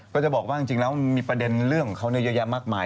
ก็จะบอกว่าจริงแล้วมีประเด็นเรื่องของเขาเยอะแยะมากมาย